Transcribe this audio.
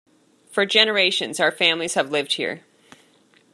For generations, our families have lived here.